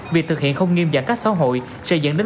việc thực hiện không nghiêm giả các xã hội sẽ dẫn đến